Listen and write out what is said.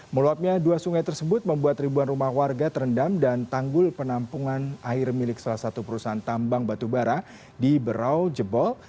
meluapnya dua sungai tersebut membuat ribuan rumah warga terendam dan tanggul penampungan air milik salah satu perusahaan tambang batubara di berau jebol